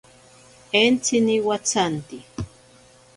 Entsini watsanti.